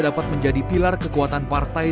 dapat menjadi pilar kekuatan partai